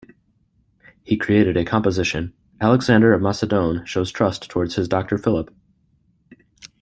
He created a composition "Alexander of Macedon shows trust towards his doctor Philip".